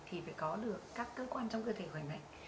thì phải có được các cơ quan trong cơ thể khỏe mạnh